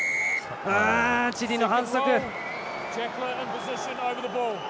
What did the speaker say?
チリの反則。